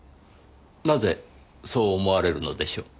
なぜそう思われるのでしょう？